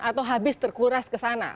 atau habis terkuras ke sana